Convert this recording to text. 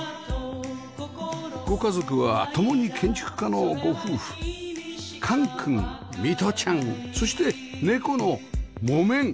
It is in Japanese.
ご家族は共に建築家のご夫婦貫くん美澄ちゃんそして猫のもめん